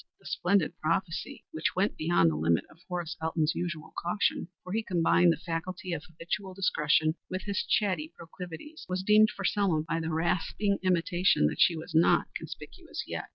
The splendid prophecy, which went beyond the limit of Horace Elton's usual caution for he combined the faculty of habitual discretion with his chatty proclivities was dimmed for Selma by the rasping intimation that she was not conspicuous yet.